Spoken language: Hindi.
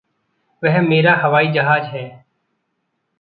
वह मेरा हवाई जहाज़ है।